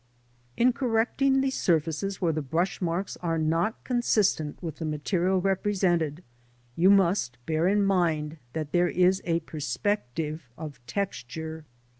In correcting the surfaces where the brush marks are not consistent with the material represented, you must bear in mind that there is a perspective of texture.